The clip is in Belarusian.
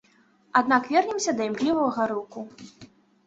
Аднак вернемся да імклівага рыўку.